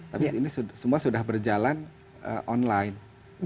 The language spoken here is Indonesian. tapi ini semua sudah berjalan online